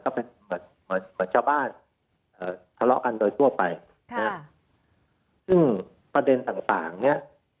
ก็เป็นเหมือนเหมือนชาวบ้านทะเลาะกันโดยทั่วไปซึ่งประเด็นต่างต่างเนี้ย